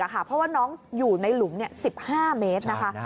เพราะว่าน้องอยู่ในหลุม๑๕เมตรนะคะ